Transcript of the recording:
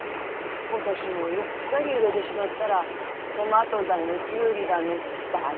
今年もうっかり植えでしまっだらトマトだのキュウリだのバガみたいに育って。